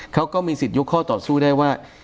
เขาก็มีสิทธิยกข้อต่อสู้ได้ว่า